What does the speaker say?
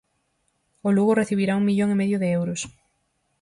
O Lugo recibirá un millón e medio de euros.